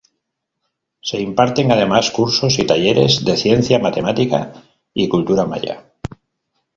Se imparten además, cursos y talleres de ciencia, matemáticas y cultura maya.